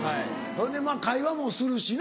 ほいでまぁ会話もするしな